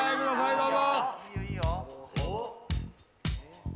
どうぞ。